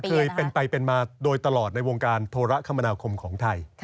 มันเคยเป็นใหม่มาโดยตลอดในวงการโธแร่คมนาคมของไทย